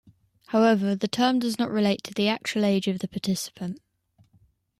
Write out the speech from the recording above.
However, the term does not relate to the actual age of the participant.